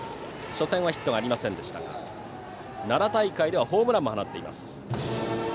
初戦はヒットがありませんでしたが奈良大会ではホームランも放っています。